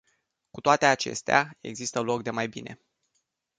Cu toate acestea, există loc de mai bine.